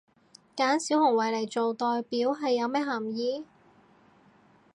揀小熊維尼做代表係有咩含意？